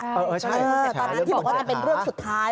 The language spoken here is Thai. นะครับที่บอกว่าเป็นเรื่องสุดท้าย